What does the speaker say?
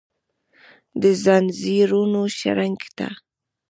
دځنځیرونو شرنګ ته ،